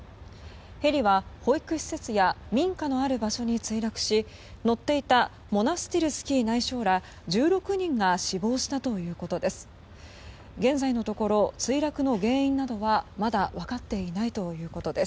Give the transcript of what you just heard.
ヘリは保育施設や民家のある場所に墜落し乗っていたモナスティルスキー内相ら１６人が死亡したということです。